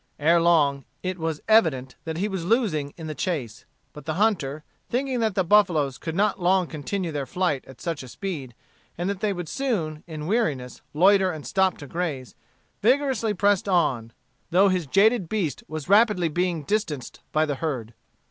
Ere long, it was evident that he was losing in the chase. But the hunter, thinking that the buffaloes could not long continue their flight at such a speed, and that they would soon, in weariness, loiter and stop to graze, vigorously pressed on, though his jaded beast was rapidly being distance by the herd.